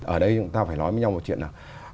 ở đây chúng ta phải nói với nhau một chuyện là